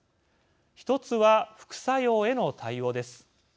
１つは副作用への対応です。